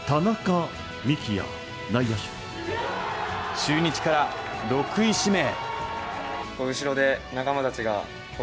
中日から、６位指名。